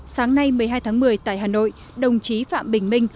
sáng nay một mươi hai tháng một mươi tại hà nội đồng chí phạm bình minh